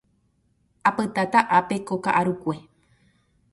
Apytáta ápe ko ka'arukue.